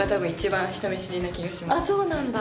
あっそうなんだ。